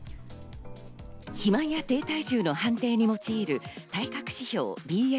肥満や低体重の判定に用いる体格指数ＢＭＩ。